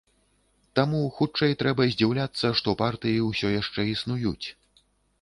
Таму, хутчэй, трэба здзіўляцца, што партыі ўсё яшчэ існуюць.